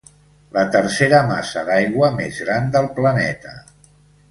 La tercera massa d'aigua més gran del planeta.